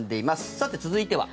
さて、続いては。